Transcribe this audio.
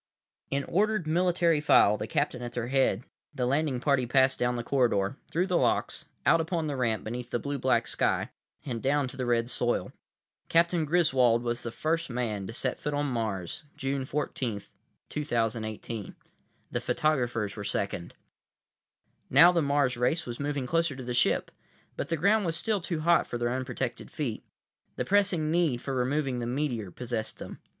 ———— In ordered, military file, the captain at their head, the landing party passed down the corridor, through the locks, out upon the ramp beneath the blue black sky; and down to the red soil. Captain Griswold was the first man to set foot on Mars, June 14, 2018. The photographers were second. Now the Mars race was moving closer to the ship, but the ground was still too hot for their unprotected feet. The pressing need for removing the meteor possessed them.